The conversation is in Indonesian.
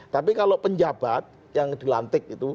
tapi kalau penjabat yang dilantik itu